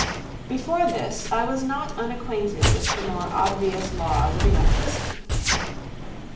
Before this I was not unacquainted with the more obvious laws of electricity.